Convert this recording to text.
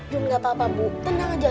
jun gak apa apa bu tenang aja